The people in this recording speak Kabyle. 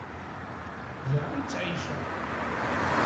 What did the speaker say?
Da i ttεiceɣ.